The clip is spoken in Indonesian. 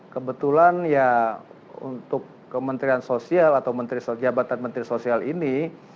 kebetulan ya untuk kementerian sosial atau jabatan menteri sosial ini